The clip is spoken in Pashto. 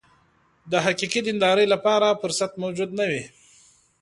د حقیقي دیندارۍ لپاره فرصت موجود نه وي.